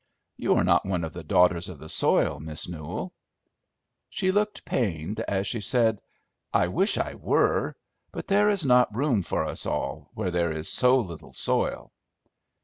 You are not one of the daughters of the soil, Miss Newell." She looked pained as she said, "I wish I were; but there is not room for us all, where there is so little soil."